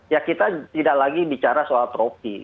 ya kita tidak lagi bicara soal tropi